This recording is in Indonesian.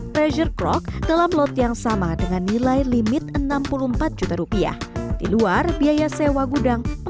pressure crock dalam lot yang sama dengan nilai limit enam puluh empat juta rupiah di luar biaya sewa gudang